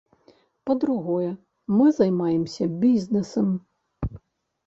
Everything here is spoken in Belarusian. Па-другое, мы займаемся бізнэсам.